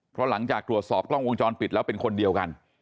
เพราะหลังจากตรวจสอบกล้องวงจรปิดแล้วเป็นคนเดียวกัน